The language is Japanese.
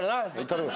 頼む。